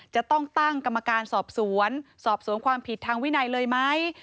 จะต้องตั้งกรรมการสอบสวนสอบสวนความผิดทางวินัยเลยไหม